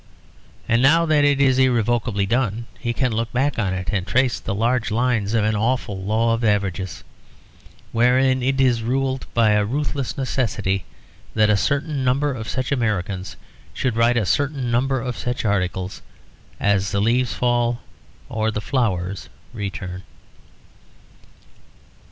And now that it is irrevocably done, he can look back on it and trace the large lines of an awful law of averages; wherein it is ruled by a ruthless necessity that a certain number of such Americans should write a certain number of such articles, as the leaves fall or the flowers return.